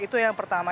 itu yang pertama